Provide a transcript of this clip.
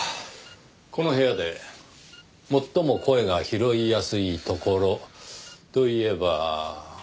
この部屋で最も声が拾いやすいところといえば。